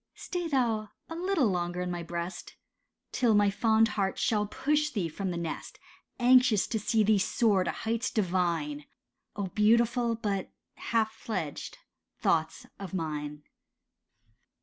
Stay thou a little longer in my breast, Till my fond heart shall push thee from the nest Anxious to see thee soar to heights divine— Oh, beautiful but half fledged thoughts of mine.